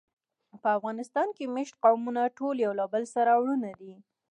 په افغانستان کې مېشت قومونه ټول یو له بله سره وروڼه دي.